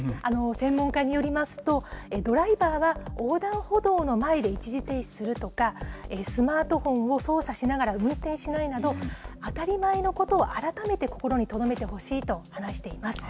専門家によりますと、ドライバーは横断歩道の前で一時停止するとか、スマートフォンを操作しながら運転しないなど、当たり前のことを改めて心にとどめてほしいと話しています。